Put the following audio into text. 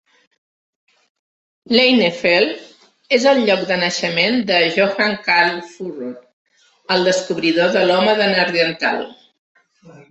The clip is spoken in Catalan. Leinefelde és el lloc de naixement de Johann Carl Fuhlrott, el descobridor de l'home de Neandertal.